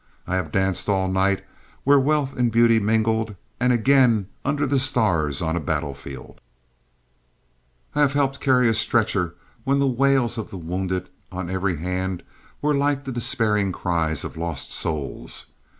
I have danced all night where wealth and beauty mingled, and again under the stars on a battlefield I have helped carry a stretcher when the wails of the wounded on every hand were like the despairing cries of lost souls.